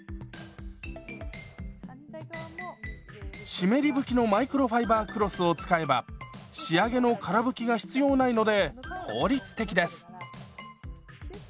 湿り拭きのマイクロファイバークロスを使えば仕上げのから拭きが必要ないので効率的です。